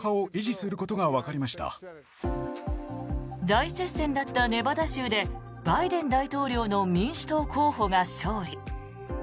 大接戦だったネバダ州でバイデン大統領の民主党候補が勝利。